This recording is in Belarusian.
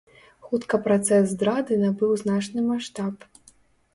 Хутка працэс здрады набыў значны маштаб.